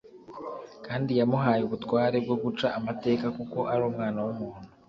Kandi yamuhaye ubutware bwo guca amateka kuko ari Umwana w’Umuntu.